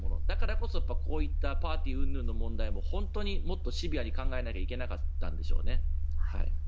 だからこそ、こういったパーティーうんぬんの問題も本当にもっとシビアに考えないといけなかったんでしょうね。